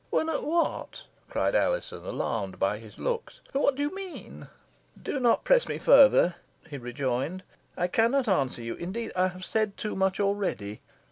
"Were not what?" cried Alizon, alarmed by his looks. "What do you mean?" "Do not press me further," he rejoined; "I cannot answer you. Indeed I have said too much already."